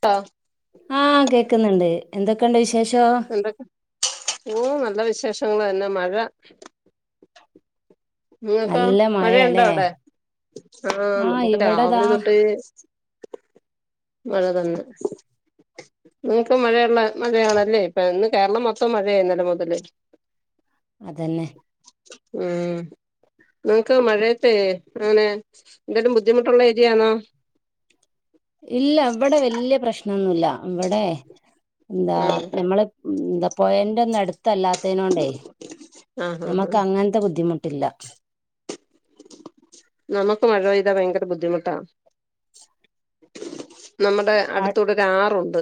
ട്ടോ ആഹ കേക്കുന്നുണ്ട് എന്തൊക്കെയുണ്ട് വിശേഷം എന്തൊക്ക ഓഹ് നല്ല വിശേഷങ്ങൾ തന്നെ മഴ ഇങ്ങക്കോ നല്ല മഴയുണ്ടോ മഴയാല്ലേ അവിടെ. ആഹ ആഹ് നമ്മുക്ക് ഇവിടെതാ രാവിലെ തൊട്ട് മഴ തന്നെ നിങ്ങക്ക് മഴയുള്ള മഴയാണല്ലേ, ഇപ്പൊ ഇന്ന് കേരളം മൊത്തം മഴയായിന്നലെ മുതല് അതെന്നെ ഉം നിങ്ങക്ക് മഴയത്തെ അങ്ങനെ എന്തെങ്കലും ബുദ്ധിമുട്ടുള്ള ഏരിയണോ ഇല്ല അവിടെ വലിയ പ്രശ്നൊന്നുല്ല. ഇവിടെ എന്താ ഉം ഞമ്മള് എന്താ പുഴ ന്റെ ഒന്നടുത്ത് ല്ലാത്തതിനോണ്ടേ ആഹ് ആഹ് നമുക്ക് ആഹ് അങ്ങനത്തെ ബുദ്ധിമുട്ടില്ല നമുക്ക് മഴ പെയ്താ ഭയങ്കര ബുദ്ധിമുട്ടാ. നമ്മുടെ അടുത്തടെ ഒരു ആറുണ്ട്.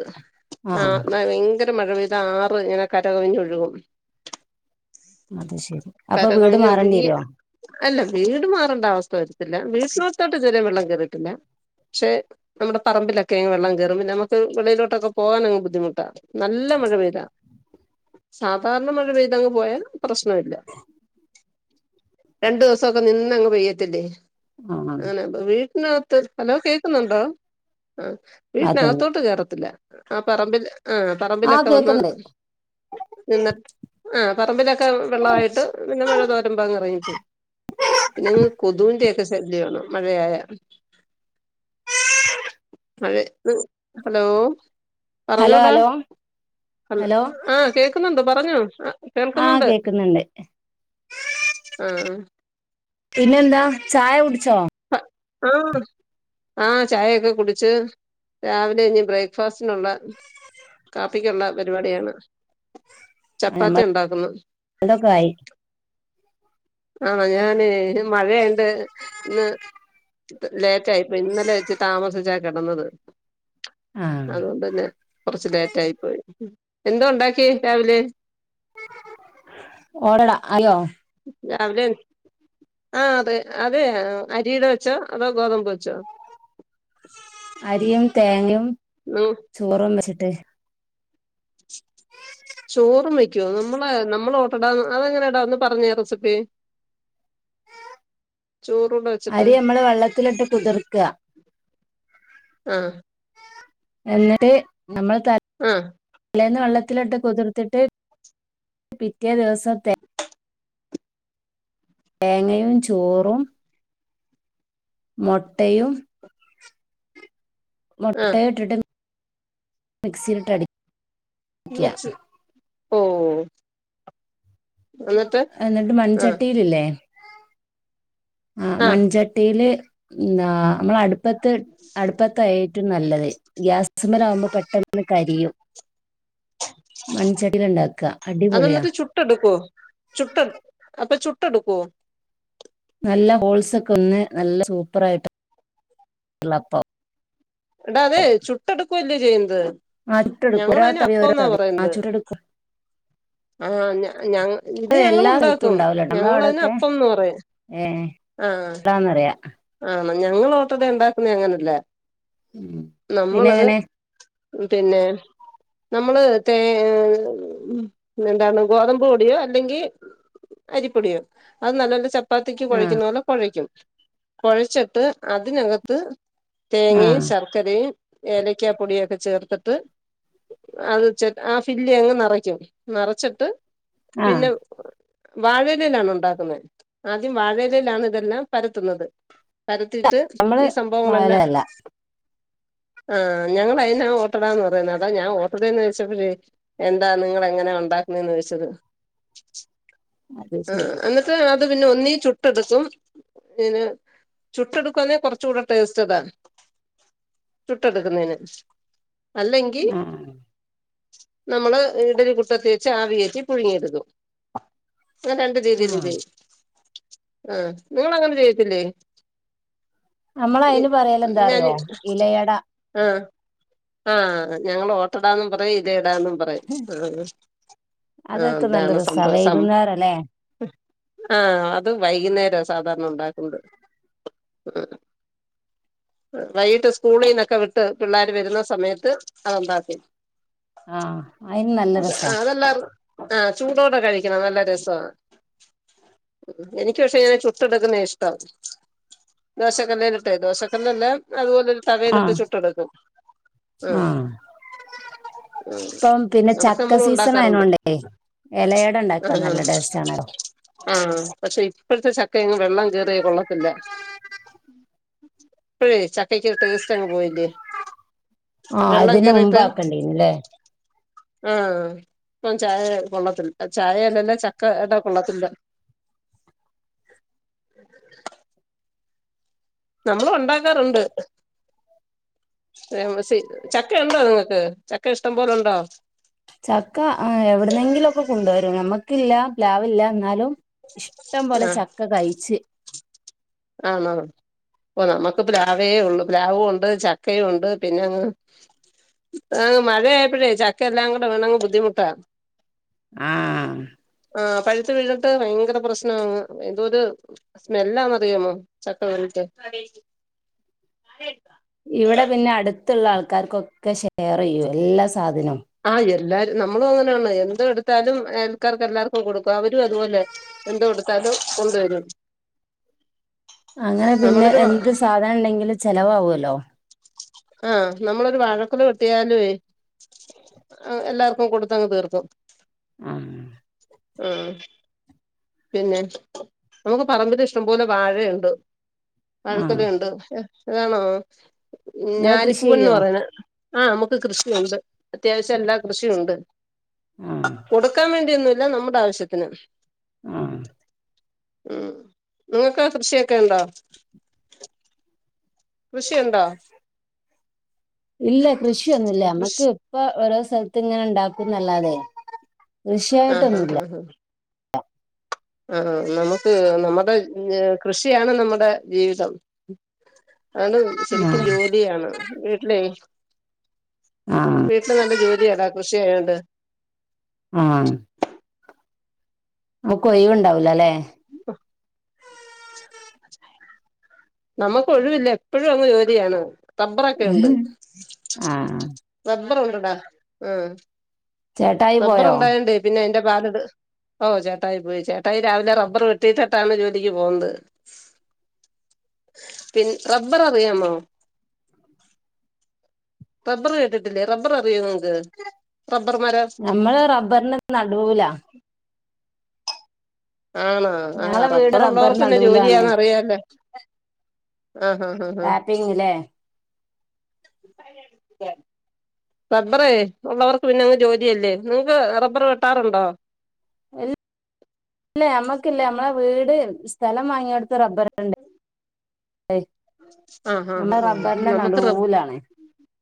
ആ ആഹ് ഭയര മഴ പെയ്ത ആറ് ഇങ്ങനെ കരകവിഞ്ഞൊഴുകും. അത് ശെരി. അപ്പൊ വീട് മാറേണ്ടി കരകവിഞ്ഞൊഴുകി വരുവോ അല്ല വീട് മാറേണ്ട അവസ്ഥ വരുത്തില്ല. വീട്ടിനോടുത്തോട്ട് ഇതുവരെ വെള്ളം കേയറിട്ടില്ല പക്ഷെ, നമ്മുടെ പറമ്പിലൊക്കെങ് വെള്ളം കയറും നമുക്ക് വെളിയിലോട്ടൊക്കെ പോകാന അങ് ബദ്ധമുട്ടാണ്. നല്ല മഴ പെയ്താ. സാധാരണ മഴ പെയ്തങ് പോയാ പ്രശ്ന ഇല്ല. രണ്ടു ദിവസംക്കെ നിന്നങ്ങ് പെയ്യത്തില്ലേ ആഹ് അങ്ങനെ വീട്ടിനകത്ത്, ഹലോ കേക്കുന്നുണ്ടോ ആഹ് അതന്നെ വീട്ടിനകത്തോട്ട് കേയറത്തില്ല ആ പറമ്പിൽ ആ ആഹ് പറമ്പിലൊക്കെ വന്ന് കേക്കുന്നുണ്ട് നിന്നിട്ട് ആഹ് പറമ്പിലൊക്കെ വെള്ളമായിട്ട് പിന്നെ മഴ തോരമ്പോ അങ്ങ ഇറങ്ങി പോവും. പിന്നെ കൊതൂന്റെ ഒക്കെ ശല്യം ണ്. മഴയായാൽ മഴ ഹലോ ഹലോ പറഞ്ഞോടാ ഹലോ ഹലോ ആഹ കേക്കുന്നുണ്ട് പറഞ്ഞോ, കേൾക്കുന്നുണ്ട് ണ്ട് ആഹ് ആഹ് പിന്നെന്താ, ചായ കുടിച്ചോ ആഹ് ആഹ ചായൊക്കെ കുടിച്ച്, രാവിലെ ഇഞ്ഞ് ബ്രേക്ക്ഫാസ്റ്റിനുള്ള കാപ്പിക്കുള്ള പരിപാടിയാണ്. ചപ്പാത്തി ഉണ്ടാക്കുന്നത് ഞമ്മൾതൊക്കെ ആയി ആണെ, ഞാന മഴയുണ്ട് ഇന്ന് ലേയിറ്റായിപ്പോയി. ഇന്നലെ വെച്ച് താമസിച്ചാ കിടന്നത് ആഹ് അതുകൊണ്ട്ന്നെ കൊറച്ച് ലേറ്റ് ആയി പോയി. എന്തോ ഉണ്ടാക്കി രാവിലെ ഓട്ടട ഹലോ രാവിലെ ആഹ് അതെ അതെ അരിടെ വെച്ചോ അതോ ഗോതമ്പ് വെച്ചോ അരിയും തേങ്ങയും ഉം ചോറും വെച്ചിട്ട് ചോറും വക്കുവോ നമ്മളെ നമ്മൾ ഓട്ട്ടാ അതെങ്ങനെ ഇടാന്ന് പറഞ്ഞേ റെസിപ്പി ഉ ചോറുടെ അരി നമ്മള് വെള്ളത്തിലിട്ട് കുതിർക്കുക ആ എന്നിട്ട് നമ്മൾ ത ഉം തലേന്ന് വെള്ളത്തിലിട്ട് കുതിർത്തിട്ട് പിറ്റേ ദിവസം തേ തേങ്ങയും ചോറും മൊട്ടയും ആഹ് മുട്ടയും ഇട്ടിട്ട് മിക്സിയിലിട്ട് അടി മിച് ഓ എന്നിട്ട് എന്നിട്ട് ആ മൺചട്ടിയിലില്ലേ ആ മൺചട്ടിയില് എന്താ നമ്മളടു ടുപ്പത്ത് അടുപ്പത്താ ഏറ്റും നല്ലത് ഗ്യാസ്മലാകുമ്പോ പെട്ടന്ന് കരിയും മൺചട്ടിയില് ഇണ്ടാക്ക അടിപൊളിയാ ചുട്ടടുക്കോ ചുട്ട് അപ്പൊ ചുട്ടെടുക്കോ നല്ല ഹോൾസ് ഒക്കെ വന്ന് നല്ല സൂപ്പറായിട്ട്ള്ള വെള്ളപ്പം എടാ അത് ചുട്ടടുക്കുവല്ലേ ചെയ്യുന്നത് ആ ചുട്ടെടുക്കും ഓരോ ഞങ്ങളയിന് തവി അപ്പം ഓരോ ന്നാ തവി ആ പറയുന്നത് ചുട്ടെടുക്കും ആഹ് ഞ ഇത് അത് ഞങ്ങള് എല്ലാ സ്ഥലത്തും ഉണ്ടാക്കും ഞങ്ങളതിന് അപ്പംന്ന് പറയും ഏഹ് [unintelligible] ന്നറിയ ആണ് ഞങ്ങള് ഓട്ടടാ ഉണ്ടാക്കുന്നെ അങ്ങനയല്ല ഉം പിന്നെ നമ്മള് എങ്ങനെ പിന്നെ നമ്മള് തേ എന്താണ് ഗോതമ്പ് പൊടിയോ അല്ലെങ്കി അരിപ്പൊടിയോ അത് നല്ലോലെ ചപ്പാത്തിക്ക് ആ കുഴയ്ക്കുന്ന പോലെ കുഴക്കും കുഴച്ചിട്ട് അതിനകത്ത് ആ തേങ്ങയും ശർക്ക ക്കരയും ഏലക്കാ പൊടി ഒക്കെ ചേർത്ത്ട്ട് അത് ചെ ആ ഫില്ലി അങ്ങ് നറയ്ക്കും നറച്ചിട്ട് ആ പിന്നെ വാഴലെലാണോ ഉണ്ടാക്കുന്ന ആദ്യം വാഴയിലെലാണ് ഇതെല്ലാം പര ത്തുന്നത് പരത്തിയിട്ട് നമ്മള് ഈ സംഭവങ്ങളെല്ലാം വാഴലല്ല ആ ഞങ്ങൾ അഴിനാ ഓട്ടടാ എന്ന് പറയുന്നത് അതാ ഞാൻ ഓട്ടടെന്ന് [unintelligible] എന്താ നിങ്ങള് എങ്ങനെ ഉണ്ടാക്കുന്നെന്ന് ചോദിച്ചത് അത് ആ ശരി എന്നിട്ട് അത് പിന്നെ ഒന്നീ ചുട്ടെടുക്കും ഇന് ചുട്ട എടുക്കുവാന്നെ കുറച്ച് കൂടെ ടേസ്റ്റ് ഇതാ ചുട്ടെടുക്കുന്നതിന് അല്ലെങ്കി ആ നമ്മള് ഇഡ്ഡലി കുട്ടത്തി വെച്ച് ആവികേറ്റി പുഴുങ്ങിയെടുക്കും രണ്ട് ആ രീതിയിലും ചെയ്യും ആ നിങ്ങള് അങ്ങനെ ചെയ്യത്തില്ലേ നമ്മള് അയിന് പറയലെന്താറിയോ ഇലയട ആഹ് ആഹ് ഞങ്ങള് ഒട്ടടാന്നും പറയും ഇല അടാന്നും പറ അതൊക്കെ നല്ല അതാണ് രസാ സംഭവം സം വൈകുന്നേരം അല്ലേ ആഹ് അത് വൈകുന്നേര സ് സാധാരണ ഉണ്ടാക്ക്ണ്ട് ഉം വൈകിട്ട് സ്കൂളിന്ന് ഒക്കെ വിട്ട് പിള്ളേര് വരുന്ന സമയത്ത് അതെന്താ ആ അയിന് നല്ല രസാ [unintelligible] അതെല്ലാർ ആ ചൂടോടെ കഴിക്കണം നല്ല രസാ എനിക്ക് പക്ഷേ ചു ചുട്ടടുക്കുന്നെ ഇഷ്ടം ദോശക്കല്ലേലിട്ട് ദോശക്കല്ലല്ലാ അതുപോലെ ആ തവയിലിട്ട് ചുട്ടടുക്കും ആ ആഹ് ഇപ്പം പിന്നെ അതൊക്കെ ചക്ക നമ്മളും സീസൺ ഉണ്ടാക്കാറുണ്ട് ആയതോണ്ടേ എലയട ഇണ്ടാക്കാൻ ആഹ് നല്ല ടേസ്റ്റാണെലോ ആഹ് പക്ഷെ ഇപ്പഴത്തെ ചക്കയങ്ങും വെള്ളം കേറിയ കൊള്ളത്തില്ല ഇപ്പഴേ ചക്കയ്ക്ക് ടേസ്റ്റ് അങ്ങ് പോയില്ലേ ആഹ് വെള്ളം ഇതിന്റെ കേറിയിട്ട് മുമ്പക്കേണ്ടിര്ന്ന് ലെ ആഹ് ഇപ്പം ചായ കൊള്ളത്തില്ല ചായയല്ലല്ല ചക്ക ഇട കൊള്ളത്തില്ല നമ്മള് ഒണ്ടാക്കാറുണ്ട് ചക്ക ഉണ്ടോ നിങ്ങൾക്ക് ചക്ക ഇഷ്ടം പോലുണ്ടോ ചക്ക എവിട്ന്നെങ്കിലും ഒക്കെ കൊണ്ടുവരും നമ്മുക്കില്ല പ്ലാവില്ല എന്നാലും ഇഷ്ടം പോലെ ആഹ് ചക്ക കഴിച്ച് ആണോ ഓ നമുക്ക് പ്ലാവേ ഉള്ളു പ്ലാവും ഉണ്ട് ചക്കയും ഉണ്ട് പിന്നെങ്ങ് ആഹ് മഴയാപ്പഴേ ചക്ക എല്ലാം കൂടെ വീണങ്ങ് ബുദ്ധിമുട്ടാ ആഹ് ആഹ് പഴുത്ത് വീണിട്ട് ഭയങ്കര പ്രശ്നാങ് എന്തോരു സ്മെല്ലാ അറിയാമോ ചക്ക വീണിട്ട് ഇവടെ പിന്നെ അട്ത്തുള്ള ആൾക്കാർക്കൊക്കെ ഷെയർ ചെയ്യും എല്ലാ സാധനവും ആഹ് എല്ലാരും നമ്മളും അങ്ങനെയാണ് എന്ത് എടുത്താലും അയൽക്കാർക്ക് എല്ലാർക്കും കൊടുക്കും അവരും അതുപോലെ എന്തോ എടുത്താലും കൊണ്ടുവരും അങ്ങനെ പിന്നെ നമ്മളൊരു എന്ത് സാധനം ഉണ്ടെങ്കിലും ചെലവാക്വല്ലോ ആഹ് നമ്മളൊരു വാഴക്കൊല വെട്ടിയാലുവേ ആഹ് എല്ലാർക്കും കൊടുത്തങ് തീർക്കും ആഹ് ആഹ് പിന്നെ നമുക്ക് പറമ്പിൽ ഇഷ്ടംപോലെ വാഴയുണ്ട് വാഴക്കൊല ആഹ് ഒണ്ട് ഇതാണോ നിങ്ങള് കൃഷി ഞാലിപ്പൂവൻന്ന് ചെയ്യോ പറയ്ണ ആ നമുക്ക് കൃഷിയുണ്ട് അത്യാവശ്യം എല്ലാ കൃഷിയൊണ്ട് ആഹ് കൊടുക്കാൻ വേണ്ടിയൊന്നൂല്ല നമ്മുടെ ആവശ്യത്തിന് ആഹ് ഉം നിങ്ങക്ക് കൃഷിയൊക്കെ ഉണ്ടോ കൃഷി ഒണ്ടോ ഇല്ല കൃഷിയൊന്നുല്ല കൃഷി നമ്മക്ക് ഇപ്പ ഓരോ സ്ഥലത്ത്ങ്ങനെ ഉണ്ടാക്കും എന്നല്ലാതെ കൃഷിയായിട്ടൊന്നുംല്ല [inaudible] അ ആ നമുക്ക് നമ്മുടെ കൃഷിയാണ് നമ്മുടെ ജീവിതം ആണ് ശരിക്കും ആഹ് ജോലിയാണ് വീട്ടിലേ ആഹ് വീട്ടില് നല്ല ജോലിയാടാ കൃഷി ആയോണ്ട് ആഹ് അപ്പൊയിവ് ഉണ്ടാവൂല ലേ [unintelligible] നമുക്ക് ഒഴിവില്ല എപ്പഴും അങ്ങ് ജോലിയാണ് തബ്ബറൊക്കെ ഉണ്ട് ആഹ് റബ്ബറൊണ്ട് ടാ ഉം ചേട്ടായി റബ്ബർ പോയോ ഒണ്ടായോണ്ടേ പിന്നെ അയ്ന്റെ പാലെട് ഓ ചേട്ടായി പോയി ചേട്ടായി രാവിലെ റബ്ബർ വെട്ടിയിട്ടട്ടാണ് ജോലിക്ക് [unintelligible] പി റബ്ബർ അറിയാമോ റബർ കേട്ടിട്ടില്ലേ റബ്ബർ അറിയോ നിങ്ങക്ക് റബ്ബർ മരം ഞമ്മള് റബ്ബറിന്റെ നടൂലാ ആണോ? ആ ഞങ്ങളെ ആഹ് വീട് റബ്ബർ ഉള്ളവർക്ക്ന്നെ നടൂലാണ് ജോലിയാന്ന് അറിയാല്ലേ ആഹ് ആ ഹാ തിന്നൂല്ലേ റബ്ബറേ ഉള്ളവർക്ക് പിന്ന അങ്ങ് ജോലിയല്ലേ നിങ്ങക്ക് റബ്ബർ വെട്ടാറുണ്ടോ ല്ല മ്മക്കില്ല നമ്മളെ വീട് സ്ഥലം വാങ്ങിയോട്ത്ത് റബ്ബർ ഉണ്ട് ആഹ് നമ്മ ആഹ് ആഹ് റബ്ബർന്റെ നടൂലാണ്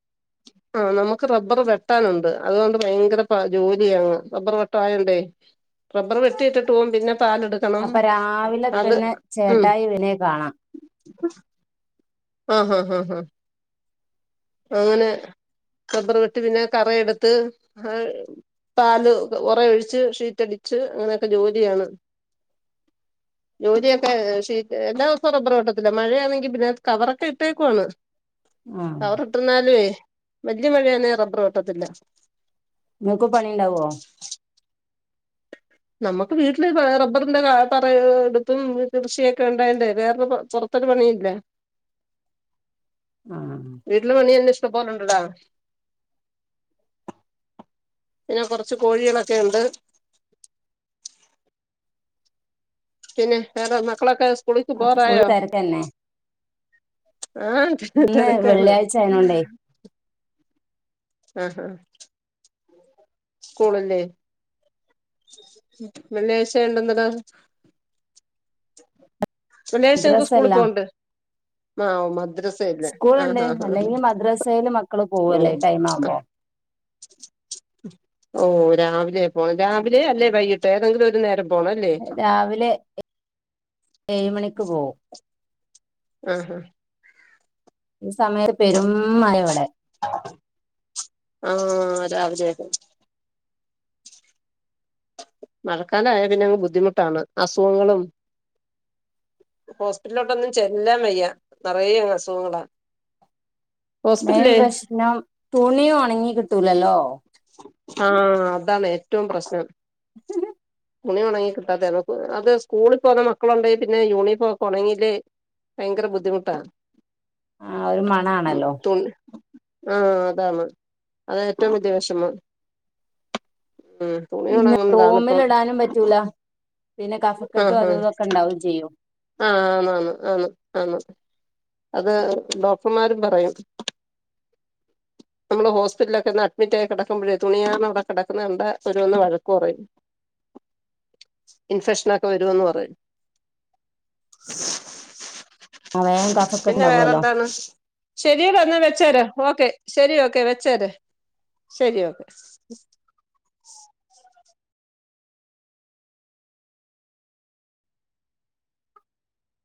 [inaudible] ആ നമുക്ക് റബ്ബർ വെട്ടാനുണ്ട് അതുകൊണ്ട് ഭയങ്കര പ ജോലിയാണ് റബ്ബർ വെട്ടായോണ്ടേ. റബ്ബർ വെട്ടിയിട്ടിട്ട് പോകും പിന്നെ പാലെടുക്കണം അത് ഉം. ഇലേ കാണാ. ആഹ് ഹഹ ഹ് ഹ്. അങ്ങനെ ടബർ വെട്ട് പിന്നെ കറയെടുത്ത് ആഹ് പാല് ഉറ ഒഴിച്ച് ഷീറ്റടിച്ച് അങ്ങനെയൊക്കെ ജോലിയാണ്. [inaudible] ജോലിയൊക്കെ ശെ എല്ലാ ദൊവസു റബ്രവെട്ടത്തില്ല മഴയാണെങ്കി പിന്നെ കവറൊക്കെ ഇട്ടേക്കുവാണ്. ആ കവർഇട്ടുന്നലേ വല്യ മഴാന്നെ റബ്ബർ വെട്ടത്തില്ല. ഇങ്ങക്കൂ പണിണ്ടാവോ? നമുക്ക് വീട്ടില് ഏ റബ്ബറിന്റെ ത്തറ എടുത്തും കൃഷിയൊക്കെ ഉണ്ടായേണ്ടേ വേറെപർ ത്തെ ക്കെ പണി ഇല്ലേ? ആഹ്. വീട്ടിലെ പണി എൻന്നെ ഇഷ്ടംപോലുണ്ടലെ പിന്നെ കൊറച്ച് കോഴികളൊക്കെണ്ട്. പിന്നെ വേറെ മക്കളൊക്കെ സ്കളിക്ക് അപ്പൊ ഫുൾ പോറായോ? തിരക്കന്നെ ഇന്ന് ആഹ് വെള്ളിയാഴ്ച ആയതുകൊണ്ടേ ആഹ് ഹാഹ് സ്കൂളില്ലേ? മലേഷ്യ ഉണ്ടന്നതാ വള്ളിയാഴ്ചഞങ്ങക്ക് മദ്രസ സ്കൂളീ അല്ല പോവണ്ട്. ആഓ മദ്രസേ ഇല്ലേ ആഹ് സ്കൂളുണ്ട് ആഹ് ആഹ് അല്ലെങ്കിൽ മദ്രസയിൽ മക്കള് പോവല്ലേ ഓഹ്. ഈ ടൈം ആവുമ്പോ ഓ രാവിലെ പോണം രാവിലെ അല്ലേ വൈകിട്ടെ ഏതെങ്കിലും ഒരു നേരമ് രാവിലെ എ ഏഴ് മണിക്ക് പോവും. ആഹ് ഹാ ഈ സമയ പെരുംമയെവ്ടെ. ആഹ രാവിലേ? മഴക്കാല ആയാ പിന്നെ അങ്ങ് ബുദ്ധിമുട്ടാണ് അസുഖങ്ങളും. ഹോസ്പിറ്റല്ലോട്ടൊന്നും ചെല്ലാൻ വെയ്യ നെറയേ അങ്ങസുഖങ്ങളാ. മെയിൻ പ്രശ്നം തുണി ഒണങ്ങി കിട്ടൂലല്ലോ? ആഹ അതാണ് ഏറ്റവും പ്രശ്നം. [unintelligible] തുണി ഉണങ്ങി കിട്ടാത്തയാണ് അത് സ്കൂളി പോകുന്ന മക്കളുണ്ടേ പിന്നെ യൂണിഫോം ഒക്കെ ഉണങ്ങിലേ ഭയങ്കര ബുദ്ധിമുട്ടാ. ആ ഒരു മ് മണാണല്ലോ തുണി ആഹ അതാണ് അതേറ്റവും വെല്ല്യപ്രശ് റ്റ്മൊ ഉം. തുണി പിന്നെ ഉണങ്ങുന്നതാണിപ്പം റോമില്ടാനും പറ്റൂല പിന്നെ കഫക്കെട്ടും ആഹ് അത് ആഹ് തൊക്കെണ്ടാവും ചെയ്യും. ആഹ് ആന്ന് ആന്ന് ആന്ന്ആന്ന് അത് ഡോക്ടർമാരും പറയും. നമ്മള്ഹോസ്പിറ്റിലൊക്കേ ഒന്ന് അഡ്മിറ്റായി കിടക്ക ക്കുമ്പോഴ തുണിയാണ് അവിടെ കിടക്കുന്നേണ്ട ഓരോന്ന് വഴക്ക് പറയും. ഇൻഫെക്ഷനൊക്കെ വരുവൊന്ന് പറയും. ആ വേഗം കഫക്കെട്ട് പിന്നെ ഉണ്ടാവുമല്ലോ വേറെന്താണ്? ശരിയേടാ ന്നാ വെഛേര ഓക്കെ ശരി ഓക്കെ വെച്ചേര്. ശരി ഓക്കെ. ഉം